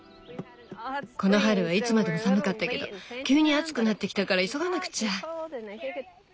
この春はいつまでも寒かったけど急に暑くなってきたから急がなくちゃ。